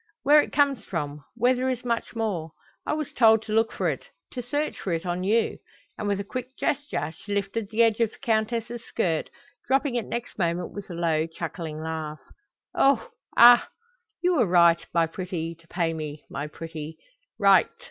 Where it comes from, where there is much more? I was told to look for it, to search for it on you;" and with a quick gesture she lifted the edge of the Countess's skirt, dropping it next moment with a low, chuckling laugh. "Oho! aha! You were right, my pretty, to pay me, my pretty right.